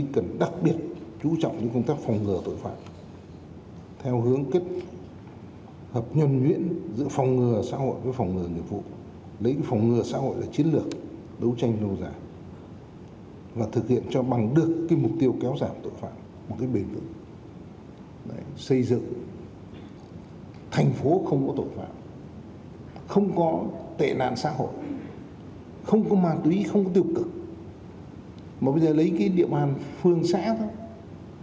không có tệ nạn xã hội không có ma túy không có tiêu cực mà bây giờ lấy cái địa bàn phường xã thôi